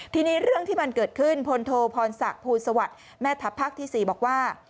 ทีนี้เรื่องที่มันเกิดขึ้นพลโทพรศักดิ์ภูสวัสดิ์แม่ทัพภาคที่๔บอกว่า